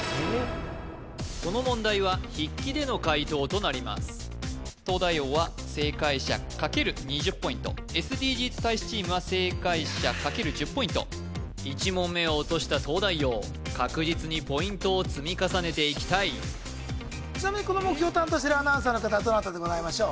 この問題は筆記での解答となります東大王は正解者×２０ポイントＳＤＧｓ大使チームは正解者×１０ポイント１問目を落とした東大王確実にポイントを積み重ねていきたいちなみにこの目標を担当してるアナウンサーの方はどなたでしょう？